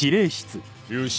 よし